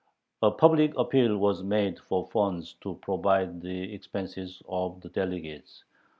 A public appeal was made for funds to provide the expenses of the delegates.